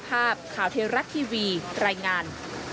ประกอบกับต้นทุนหลักที่เพิ่มขึ้น